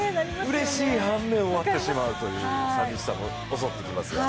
うれしい反面終わってしまうという寂しさも襲ってきますが。